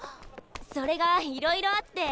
それがいろいろあって。